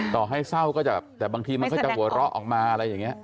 ต่อให้เศร้าก็จะแบบแต่บางทีมันก็จะหัวเราะออกมาอะไรอย่างนี้